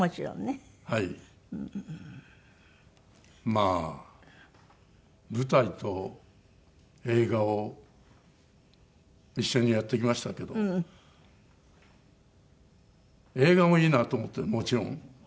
まあ舞台と映画を一緒にやってきましたけど映画もいいなと思ってもちろん。